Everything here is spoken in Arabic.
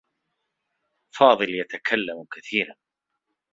فاضل يتكلّم كثيرا.